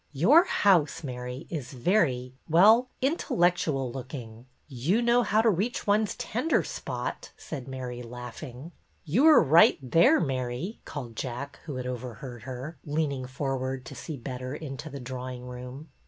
"Your house, Mary, is very — well, intellec tual looking." " You know how to reach one's tender spot," said Mary, laughing. " You are right there, Mary," called Jack, who had overheard her, leaning forward to see better into the drawing room.